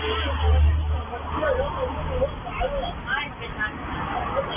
งั้นพักก่อนพลังช่วยกับคนที่เข้าตำรงโรหวะ